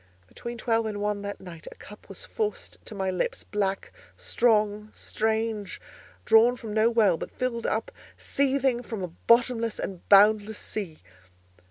Between twelve and one that night a cup was forced to my lips, black, strong, strange, drawn from no well, but filled up seething from a bottomless and boundless sea.